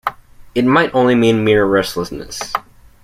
It might only mean mere restlessness.